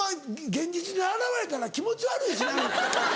現実に現れたら気持ち悪いしな。